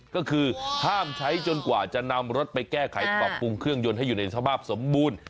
ก็คือห้ามใช้จนกว่าจะนำรถไปแก้ไขปรับปรุงเครื่องยนต์ให้อยู่ในสภาพสมบูรณ์